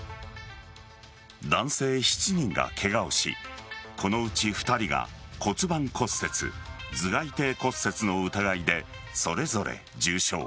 男性７人がケガをしこのうち２人が骨盤骨折頭蓋底骨折の疑いでそれぞれ重傷。